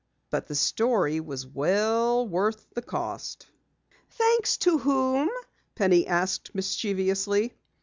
"But the story was well worth the cost." "Thanks to whom?" Penny asked mischievously.